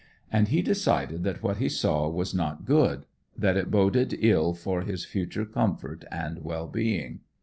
And he decided that what he saw was not good, that it boded ill for his future comfort and well being.